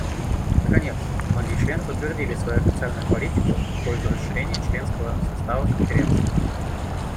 Наконец, многие члены подтвердили свою официальную политику в пользу расширения членского состава Конференции.